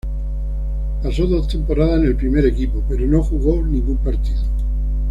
Pasó dos temporadas en el primer equipo, pero no jugó ningún partido.